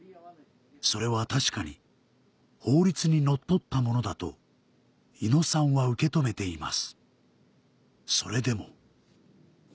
それは確かに法律にのっとったものだと猪野さんは受け止めています